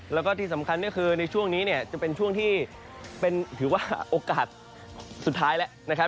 แล้วก็ที่สำคัญก็คือในช่วงนี้เนี่ยจะเป็นช่วงที่ถือว่าโอกาสสุดท้ายแล้วนะครับ